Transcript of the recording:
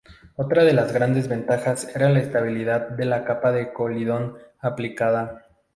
Otra de las grandes ventajas era la estabilidad de la capa de colodión aplicada.